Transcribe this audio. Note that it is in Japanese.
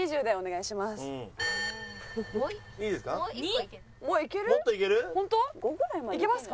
いけますか？